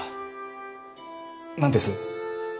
何です？